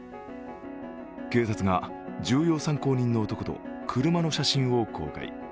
警察が重要参考人の男と車の写真を公開。